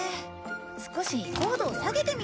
少し高度を下げてみよう。